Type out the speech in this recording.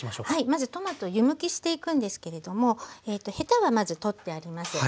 まずトマト湯むきしていくんですけれどもヘタはまず取ってあります。